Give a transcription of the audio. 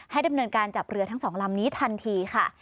ดำเนินการจับเรือทั้งสองลำนี้ทันทีค่ะ